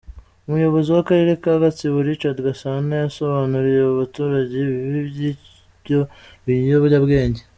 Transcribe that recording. Umuyobozi w’Akarere ka Gatsibo, Richard Gasana, yasobanuriye abo baturage ibibi by’ibyo biyobyabwenge.